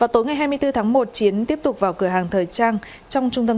tối ngày hai mươi bốn tháng một chiến tiếp tục vào cửa hàng thời trang